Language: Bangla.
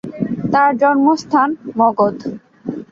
তার জন্মস্থান মগধ।